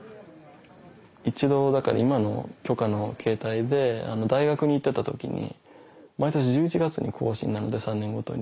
一度今の許可の形態で大学に行ってた時に毎年１１月に更新なんで３年ごとに。